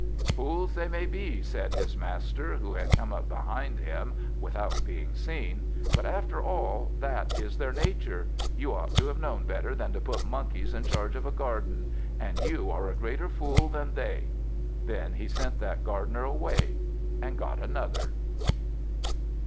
"Fools they may be," said his master, who had come up behind him without being seen, "but, after all, that is their nature. You ought to have known better than to put monkeys in charge of a garden, and you are a greater fool than they." Then he sent that gardener away and got another.